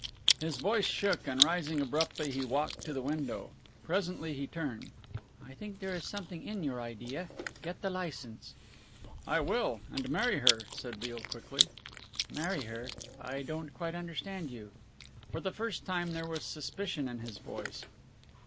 His voice shook, and rising abruptly he walked to the window. Presently he turned. "I think there is something in your idea. Get the licence." "I will and marry her," said Beale quickly. "Marry her I don't quite understand you?" For the first time there was suspicion in his voice.